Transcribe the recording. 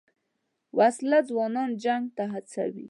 وسله ځوانان جنګ ته هڅوي